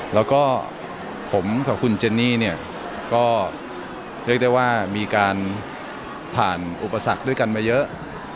แล้วก็ผมกับคุณเจนนี่เนี่ยก็เรียกได้ว่ามีการผ่านอุปสรรคด้วยกันมาเยอะ